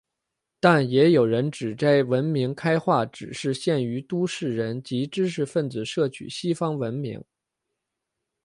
但也有人指摘文明开化只是限于都市人及知识分子摄取西方文明。